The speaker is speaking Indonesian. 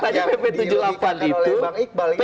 tapi itu yang diologikan oleh bang iqbal